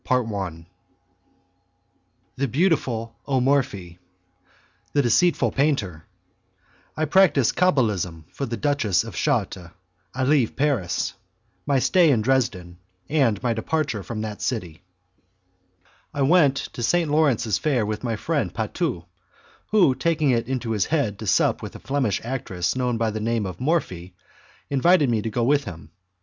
CHAPTER IX The Beautiful O Morphi The Deceitful Painter I Practice Cabalism for the Duchess de Chartres I Leave Paris My Stay in Dresden and My Departure from that City I went to St. Lawrence's Fair with my friend Patu, who, taking it into his head to sup with a Flemish actress known by the name of Morphi, invited me to go with him.